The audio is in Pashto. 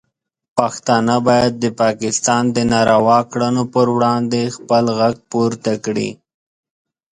پښتانه باید د پاکستان د ناروا کړنو پر وړاندې خپل غږ پورته کړي.